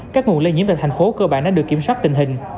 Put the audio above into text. các nguồn lây nhiễm tại thành phố cơ bản đã được kiểm soát tình hình